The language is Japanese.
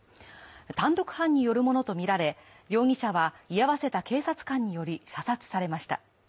単独犯によるものとみられ容疑者は居合わせた警察官により射殺されました。